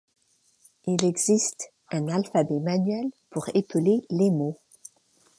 Il existe un alphabet manuel pour épeler les mots.